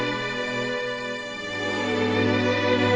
nih gue mau ke rumah papa surya